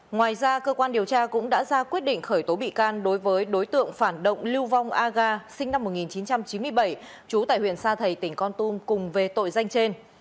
ngoài ra cơ quan điều tra cũng đã ra quyết định khởi tố bị can đối với đối tượng phản động lưu vong a ga sinh năm một nghìn chín trăm chín mươi bảy trú tại huyện sa thầy tỉnh con tum cùng về tội danh trên